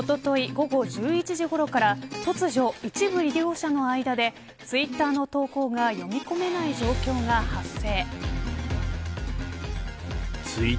午後１１時ごろから突如、一部利用者の間でツイッターの投稿が読めない状況が発生。